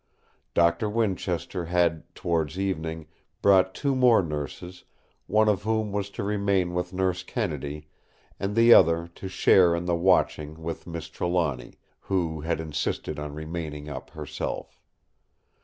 Doctor Winchester had, towards evening, brought two more nurses, one of whom was to remain with Nurse Kennedy and the other to share in the watching with Miss Trelawny, who had insisted on remaining up herself.